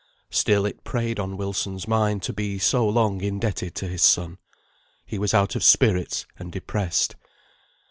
Still it preyed on Wilson's mind to be so long indebted to his son. He was out of spirits and depressed.